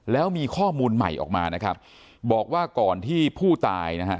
แล้วมีข้อมูลใหม่ออกมานะครับบอกว่าก่อนที่ผู้ตายนะฮะ